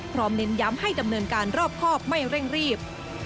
เน้นย้ำให้ดำเนินการรอบครอบไม่เร่งรีบ